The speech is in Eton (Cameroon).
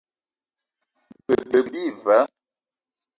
G-beu bi va.